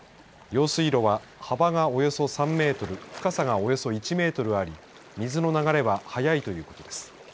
用水路は幅がおよそ３メートル深さがおよそ１メートルあり水の流れは速いということです。